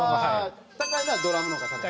高いのはドラムの方が高い？